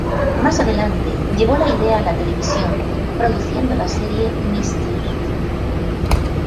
Más adelante llevó la idea a la televisión, produciendo la serie "Mr.